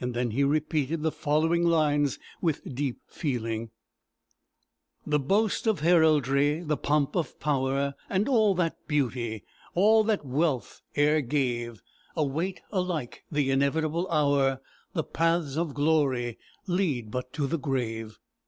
Then he repeated the following lines with deep feeling: "The boast of heraldry, the pomp of power, And all that beauty, all that wealth e'er gave, Await alike the inevitable hour; The paths of glory lead but to the grave."